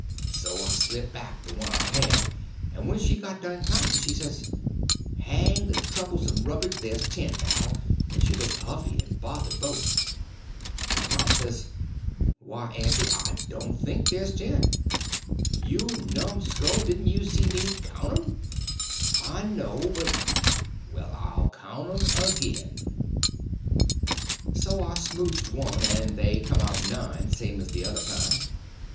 So I slipped back the one I had, and when she got done counting, she says: "Hang the troublesome rubbage, ther's ten now!" and she looked huffy and bothered both. But Tom says: "Why, Aunty, I don't think there's ten." "You numskull, didn't you see me count 'm?" "I know, but—" "Well, I'll count 'm again." So I smouched one, and they come out nine, same as the other time.